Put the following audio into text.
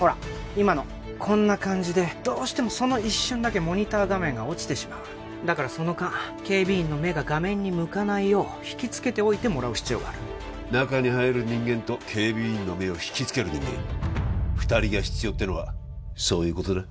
今のこんな感じでどうしてもその一瞬だけモニター画面が落ちてしまうだからその間警備員の目が画面に向かないよう引きつけておいてもらう必要がある中に入る人間と警備員の目を引きつける人間２人が必要ってのはそういうことだ